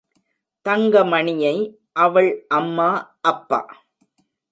தங்கமணியை, அவள் அம்மா, அப்பா.